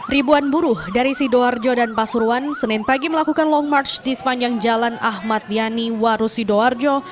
ribuan buruh dari sidoarjo dan pasuruan senin pagi melakukan long march di sepanjang jalan ahmad yani waru sidoarjo